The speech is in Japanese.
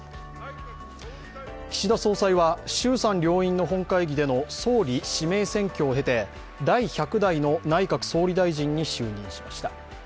岸田総裁は衆参両院の本会議での総理指名選挙を経て第１００代の内閣総理大臣に就任しました。